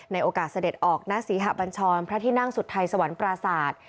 ในโอกาสเสด็จออกนาศีหบัญชรพระที่นั่งสุดไทยสวรรค์ปราสาท